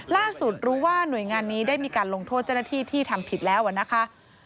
ล่าสุดรู้ว่าหน่วยงานนี้ได้มีการลงโทษเจ้าหน้าที่ที่ทำผิดแล้วนะคะ